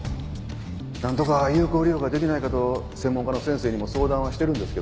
なんとか有効利用ができないかと専門家の先生にも相談はしてるんですけどねえ。